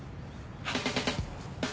はい。